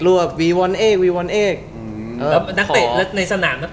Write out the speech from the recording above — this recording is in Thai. แล้วในสนามนักเตะมันยังไง